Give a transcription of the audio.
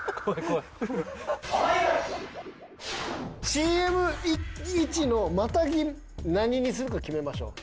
ＣＭ１のまたぎ何にするか決めましょう。